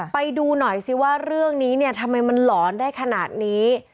ไปดูหน่อยสิว่าเรื่องนี้เนี่ยทำไมมันหลอนได้ขนาดนี้